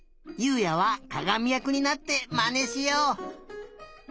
優海也はかがみやくになってまねしよう。